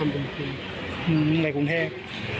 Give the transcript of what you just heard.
ในไล่กรุงเทพฯ